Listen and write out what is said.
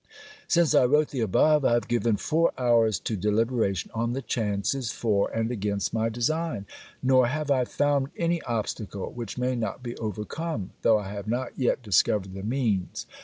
_ Since I wrote the above I have given four hours to deliberation on the chances for and against my design; nor have I found any obstacle which may not be overcome, though I have not yet discovered the means.